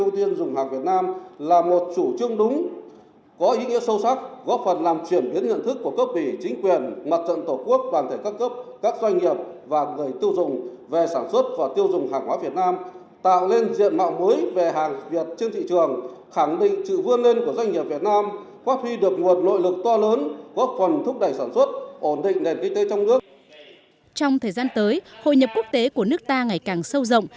trong thời gian tới hội nhập quốc tế của nước ta ngày càng sâu rộng